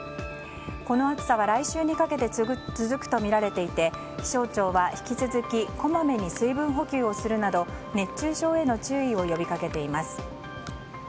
この暑さは来週にかけて続くとみられていて気象庁は引き続きこまめに水分補給をするなど熱中症への注意を呼びかけています。